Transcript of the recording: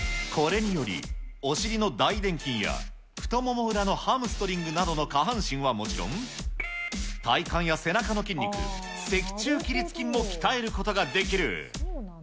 これにより、お尻の大臀筋や太もも裏のハムストリングなどの下半身はもちろん、体幹や背中の筋肉、脊柱起立筋も鍛えることができる。